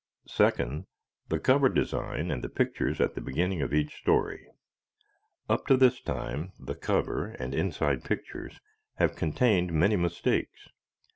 Second, the cover design and the pictures at the beginning of each story. Up to this time the cover and inside pictures have contained many mistakes.